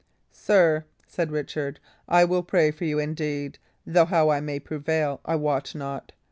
"Sir," said Richard, "I will pray for you, indeed; though how I may prevail I wot not.